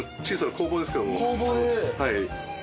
工房で。